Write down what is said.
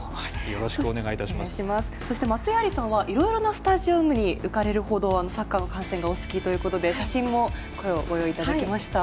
そして松井愛莉さんはいろいろなスタジアムに行かれるほどサッカーの観戦がお好きということで写真もご用意いただきました。